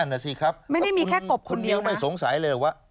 นั่นแหละสิครับคุณเนียวก็ไม่สงสัยเลยว่า